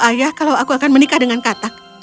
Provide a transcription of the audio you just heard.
ayah kalau aku akan menikah dengan katak